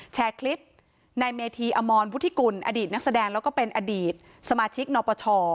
แชร์คลิปในเมธีอมรวุฒิกุลอดีตนักแสดงแล้วก็เป็นอดีตสมาชิกนปช